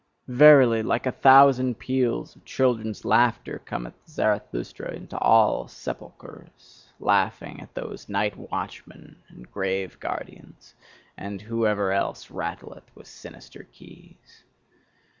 Verily, like a thousand peals of children's laughter cometh Zarathustra into all sepulchres, laughing at those night watchmen and grave guardians, and whoever else rattleth with sinister keys.